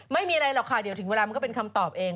ไม่มีอะไรหรอกค่ะเดี๋ยวถึงเวลามันก็เป็นคำตอบเอง